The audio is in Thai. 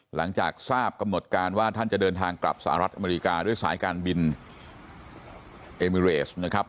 หลังจากทราบกำหนดการว่าท่านจะเดินทางกลับสหรัฐอเมริกาด้วยสายการบินเอมิเรสนะครับ